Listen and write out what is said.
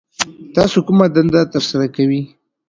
تاسو کومه دنده ترسره کوي